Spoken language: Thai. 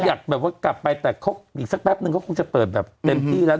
อยากแบบว่ากลับไปแต่อีกสักแป๊บนึงเขาคงจะเปิดแบบเต็มที่แล้ว